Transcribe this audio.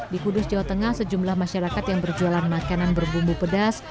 di kudus jawa tengah sejumlah masyarakat yang berjualan makanan berbumbu pedas